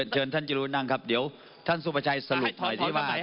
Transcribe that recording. เชิญท่านจิรุนั่งครับเดี๋ยวท่านสุประชัยสรุปหน่อยที่ว่า